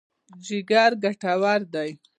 جګر ګټور دی.